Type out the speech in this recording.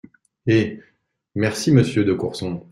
Et… Merci, monsieur de Courson.